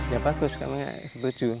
ya bagus kami setuju